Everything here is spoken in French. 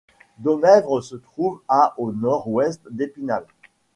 Domèvre se trouve à au nord-ouest d'Épinal.